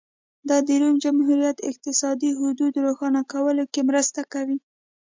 دا د روم جمهوریت اقتصادي حدود روښانه کولو کې مرسته کوي